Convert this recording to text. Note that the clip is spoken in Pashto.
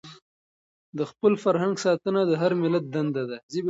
د خپل فرهنګ ساتنه د هر ملت دنده ده.